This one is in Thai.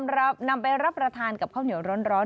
นำไปรับประทานกับข้าวเหนียวร้อน